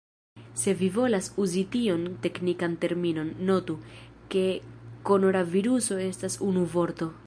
Se vi volas uzi tiun teknikan terminon, notu, ke koronaviruso estas unu vorto.